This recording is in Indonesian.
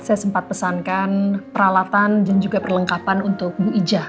saya sempat pesankan peralatan dan juga perlengkapan untuk bu ija